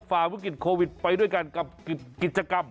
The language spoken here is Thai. ฝ่าวิกฤตโควิดไปด้วยกันกับกิจกรรม